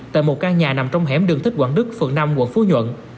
tại một căn nhà nằm trong hẻm đường thích quảng đức phường năm quận phú nhuận